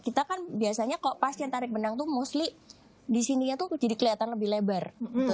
kita kan biasanya kok pasien tarik benang tuh mostly di sininya tuh jadi kelihatan lebih lebar